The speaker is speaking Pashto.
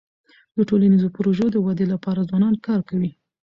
د ټولنیزو پروژو د ودی لپاره ځوانان کار کوي.